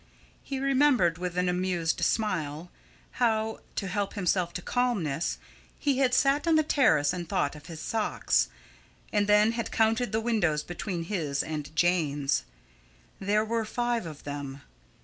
He remembered, with an amused smile, how, to help himself to calmness, he had sat on the terrace and thought of his socks, and then had counted the windows between his and Jane's. There were five of them.